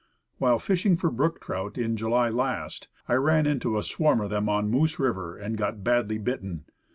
While fishing for brook trout in July last, I ran into a swarm of them on Moose River, and got badly bitten.